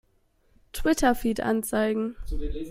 Twitter-Feed anzeigen!